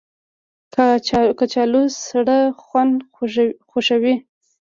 کچالو سړه خونه خوښوي